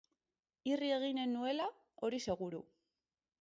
Irri eginen nuela, hori seguru.